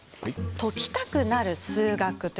「解きたくなる数学」です。